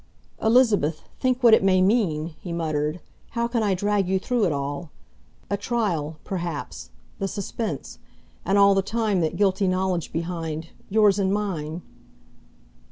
"Elizabeth, think what it may mean!" he muttered. "How can I drag you through it all? A trial, perhaps, the suspense, and all the time that guilty knowledge behind yours and mine!"